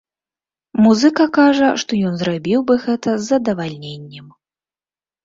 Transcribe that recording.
Музыка кажа, што ён зрабіў бы гэта з задавальненнем.